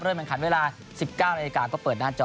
เริ่มเป็นขันเวลา๑๙นก็เปิดหน้าจอ